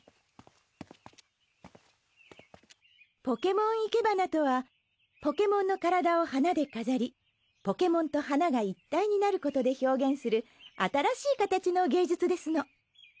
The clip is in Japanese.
ポケモン生け花とはポケモンの体を花で飾りポケモンと花が一体になることで表現する新しい形の芸術ですの。